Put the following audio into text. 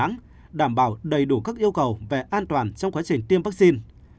đà nẵng đảm bảo đầy đủ các yêu cầu về an toàn trong quá trình tiêm vaccine